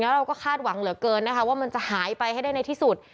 เราก็คาดหวังเหลือเกินนะคะว่ามันจะหายไปให้ได้ในที่สุด